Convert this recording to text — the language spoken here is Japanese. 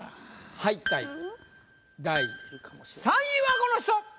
敗退第３位はこの人！